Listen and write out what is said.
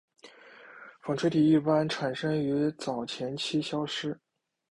纺锤体一般产生于早前期消失。